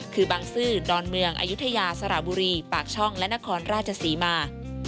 คือบางซื่อดอนเมืองอายุทยาสระบุรีปากช่องและนครราชศรีมา